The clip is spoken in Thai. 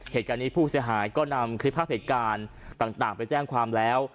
เหตุการณ์นี้ผู้เสียหายก็นำคลิปภาพเหตุการณ์ต่างไปแจ้งความแล้ว